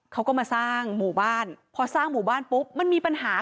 เขาก็มาสร้างหมู่บ้านพอสร้างหมู่บ้านปุ๊บมันมีปัญหา